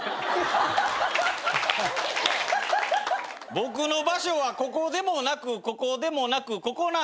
「僕の場所はここでもなくここでもなくここなんです」